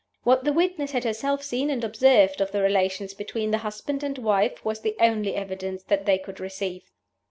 What the witness had herself seen and observed of the relations between the husband and wife was the only evidence that they could receive.